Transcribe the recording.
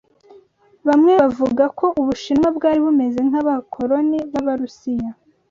Bamwe bavuga ko Ubushinwa bwari bumeze nk'abakoloni b'Abarusiya